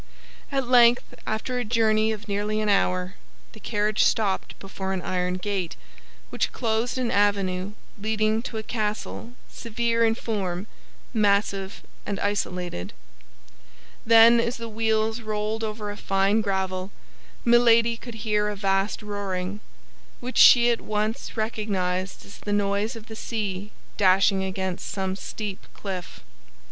At length after a journey of nearly an hour, the carriage stopped before an iron gate, which closed an avenue leading to a castle severe in form, massive, and isolated. Then, as the wheels rolled over a fine gravel, Milady could hear a vast roaring, which she at once recognized as the noise of the sea dashing against some steep cliff.